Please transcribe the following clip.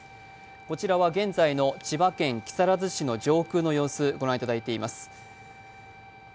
こちらは現在の千葉県木更津市の上空の様子、ご覧いただいています